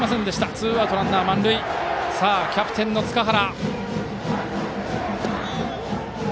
ツーアウトランナー満塁でキャプテンの塚原。